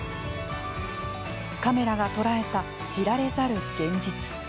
カメラが捉えた知られざる現実。